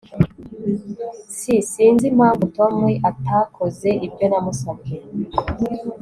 S Sinzi impamvu Tom atakoze ibyo namusabye